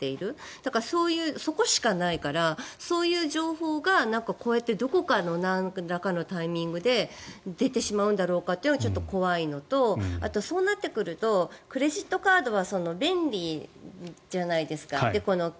だから、そこしかないからそういう情報がこうやってどこかのなんらかのタイミングで出てしまうんだろうかってのはちょっと怖いのとそうなってくるとクレジットカードは便利じゃないですか。